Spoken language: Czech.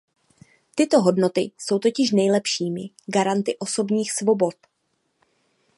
Tyto hodnoty jsou totiž nejlepšími garanty osobních svobod.